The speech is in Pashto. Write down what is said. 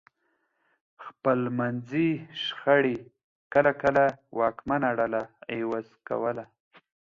خپلمنځي شخړې کله کله واکمنه ډله عوض کوله.